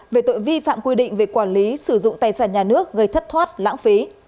về tội vi phạm quy định về quản lý sử dụng tài sản nhà nước gây thất thoát lãng phí